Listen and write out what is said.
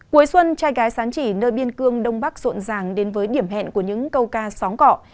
cuối xuân trai gái sán chỉ nơi biên cương đông bắc rộn ràng đến với điểm hẹn của những câu ca xóm cọ